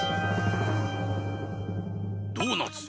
⁉ドーナツ。